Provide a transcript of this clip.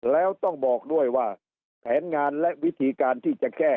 แล้วต้องบอกด้วยว่าแผนงานและวิธีการที่จะแก้